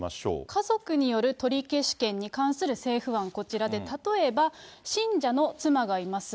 家族による取消権に関する政府案、こちらで、例えば信者の妻がいます。